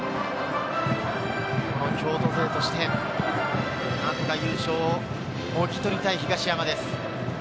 京都勢として、何とか優勝をもぎ取りたい東山です。